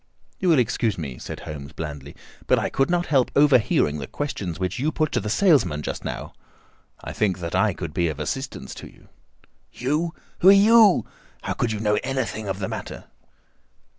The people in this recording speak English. "You will excuse me," said Holmes blandly, "but I could not help overhearing the questions which you put to the salesman just now. I think that I could be of assistance to you." "You? Who are you? How could you know anything of the matter?"